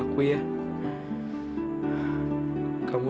yang seperti lepas berkata